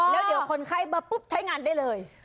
แล้วเดี๋ยวคนไข้มาปุ๊บใช้งานได้เลย